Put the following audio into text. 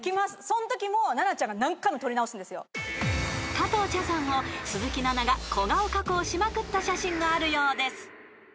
［加藤茶さんを鈴木奈々が小顔加工しまくった写真があるようです］